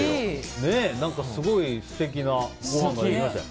何か、すごい素敵なごはんができましたね。